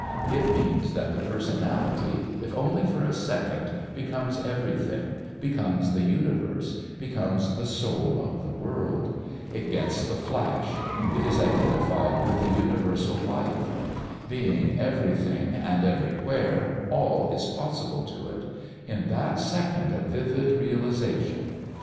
It means that the personality, if only for one second, becomes everything; becomes the universe; becomes the soul of the world. It gets the flash. It is identified with the universal life. Being everything and everywhere, all is possible to it in that second of vivid realisation.